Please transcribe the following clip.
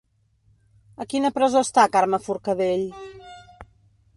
A quina presó està Carme Forcadell?